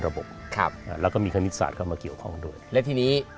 ระบบครับอ่าแล้วก็มีคณิตศาสตร์เข้ามาเกี่ยวข้องด้วยและทีนี้